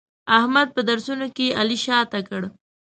احمد په درسونو کې علي شاته کړ.